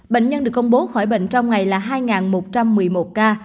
bệnh nhân được công bố khỏi bệnh trong ngày là hai một trăm một mươi một ca